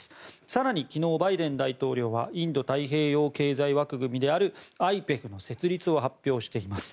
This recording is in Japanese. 更に、昨日バイデン大統領はインド太平洋経済枠組みであるＩＰＥＦの設立を発表しています。